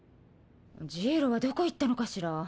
ジイロはどこ行ったのかしら？